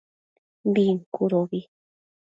Bincudobi